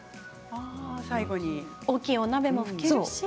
大きいお鍋も拭けるし。